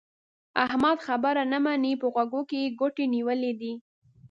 احمد خبره نه مني؛ په غوږو کې يې ګوتې نيولې دي.